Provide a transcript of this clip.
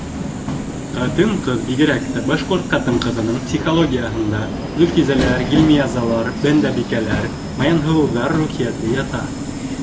Ҡатын-ҡыҙ, бигерәк тә башҡорт ҡатын-ҡыҙының психологияһында Зөлхизәләр, Ғилмиязалар, Бәндәбикәләр, Маянһылыуҙар рухиәте ята.